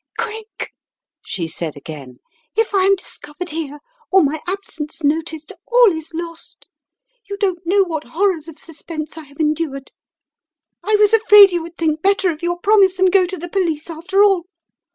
"Quick!" she said again. "If I am discovered here, or my absence noticed, all is lost! You don't know what horrors of suspense I have endured. I was afraid you would think better of your promise and go to the police, after all.